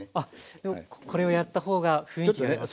でもこれをやった方が雰囲気が出ますね。